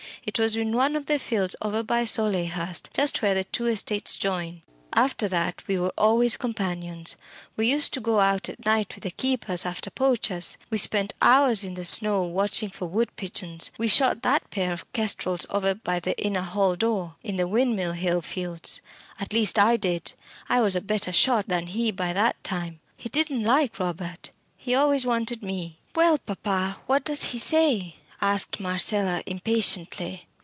It was in one of the fields over by Soleyhurst, just where the two estates join. After that we were always companions we used to go out at night with the keepers after poachers; we spent hours in the snow watching for wood pigeons; we shot that pair of kestrels over the inner hall door, in the Windmill Hill fields at least I did I was a better shot than he by that time. He didn't like Robert he always wanted me." "Well, papa, but what does he say?" asked Marcella, impatiently.